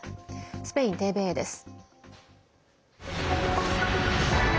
スペインＴＶＥです。